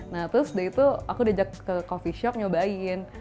nah terus dari itu aku udah ajak ke kopi shop nyobain